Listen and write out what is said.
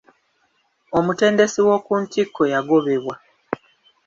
Omutendesi owokuntikko yagobebwa.